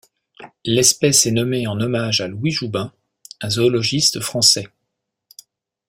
L'espèce est nommée en hommage à Louis Joubin, un zoologiste français.